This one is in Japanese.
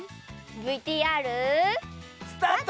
ＶＴＲ。スタート！